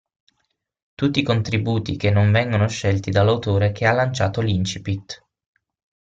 Tutti i contributi che non vengono scelti dall'autore che ha lanciato l'incipit.